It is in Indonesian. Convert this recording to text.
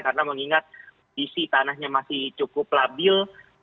karena mengingat isi tanahnya masih cukup labil